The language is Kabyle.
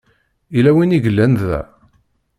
Yella win i yellan da?